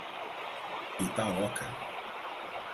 Itaoca